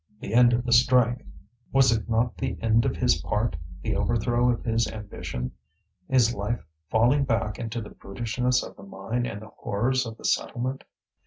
The end of the strike: was it not the end of his part, the overthrow of his ambition, his life falling back into the brutishness of the mine and the horrors of the settlement?